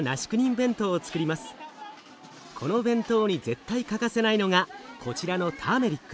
この弁当に絶対欠かせないのがこちらのターメリック。